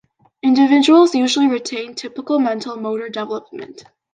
Individuals usually retain typical mental and motor development.